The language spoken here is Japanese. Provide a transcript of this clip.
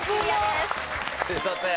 すいません。